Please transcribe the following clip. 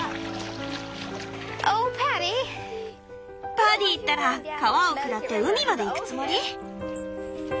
パディったら川を下って海まで行くつもり？